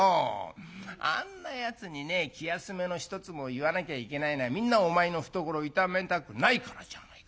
あんなやつにね気休めの一つも言わなきゃいけないのはみんなお前の懐を痛めたくないからじゃないか。